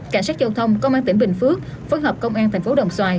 cảnh sát giao thông công an tỉnh bình phước phối hợp công an thành phố đồng xoài